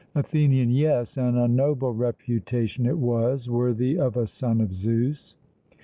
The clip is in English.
ATHENIAN: Yes, and a noble reputation it was, worthy of a son of Zeus.